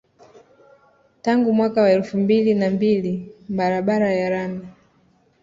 Tangu mwaka wa elfu mbili na mbili barabara ya lami